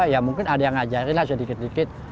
ya mungkin ada yang ngajarin aja dikit dikit